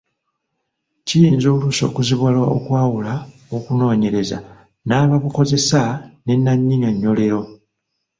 Kiyinza oluusi okuzibuwala okwawula okunoonyereza nnabukozesa ne nnannyinyonnyolero.